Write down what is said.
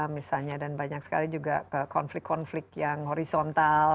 misalnya dan banyak sekali juga konflik konflik yang horizontal